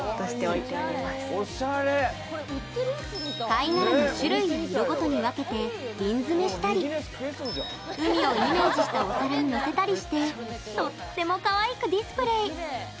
貝殻の種類や色ごとに分けてビン詰めしたり海をイメージしたお皿にのせたりしてとってもかわいくディスプレー！